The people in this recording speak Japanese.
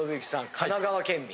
神奈川県民。